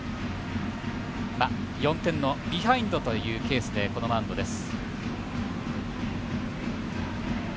４点のビハインドというケースでこのマウンドです。